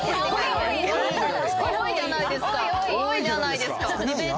多いじゃないですか。